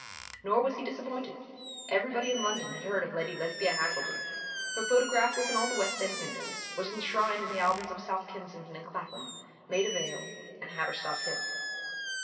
Nor was he disappointed. Everybody in London had heard of Lady Lesbia Haselden. Her photograph was in all the West End windows, was enshrined in the albums of South Kensington and Clapham, Maida Vale and Haverstock Hill.